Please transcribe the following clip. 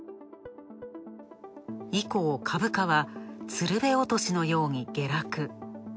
以降、株価はつるべ落としのように下落。